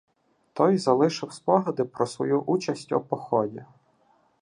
Той залишив спогади про свою участь у поході.